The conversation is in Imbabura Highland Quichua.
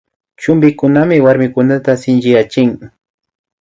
Chumpikunami warmikunata shinchiyachin